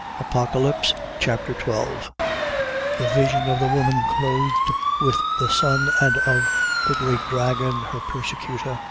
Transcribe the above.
Apocalypse Chapter 12 The vision of the woman clothed with the sun and of the great dragon her persecutor.